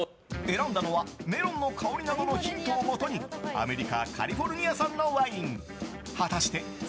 選んだのは、メロンの香りなどのヒントをもとにアメリカ・カリフォルニア産のワイン。